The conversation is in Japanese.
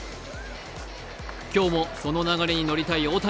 今日もその流れに乗りたい大谷。